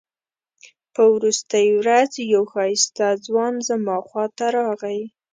په وروستۍ ورځ یو ښایسته ځوان زما خواته راغی.